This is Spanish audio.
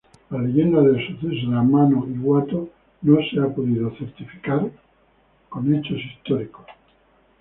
La leyenda del suceso de Ama-no-Iwato no ha podido ser certificado con hechos históricos.